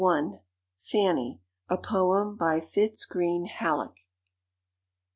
"Fanny," a poem, by Fitz Greene Halleck.